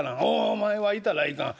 お前は行ったらいかん」。